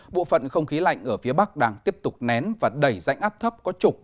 bộ phận không khí lạnh ở phía bắc đang tiếp tục nén và đẩy rãnh áp thấp có trục